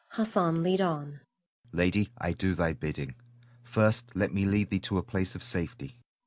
Hassan, lead on! Hassan. Lady, I do thy bidding. First let me lead thee to a place of safety.